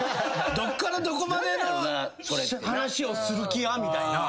どっからどこまでの話をする気やみたいな。